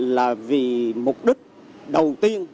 là vì mục đích đầu tiên